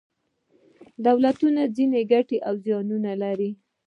دولتونه ځینې ګټې او زیانونه لري.